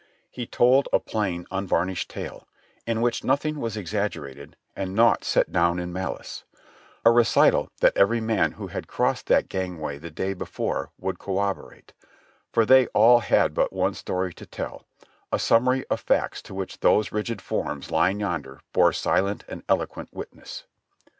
He told a plain, unvarnished tale, in which nothing was exaggerated and naught set down in malice ; a recital that every man who had crossed that gangway the day before would corroborate, for they all had but one story to tell, a summary of facts to which those rigid forms lying yonder bore silent and eloquent witness.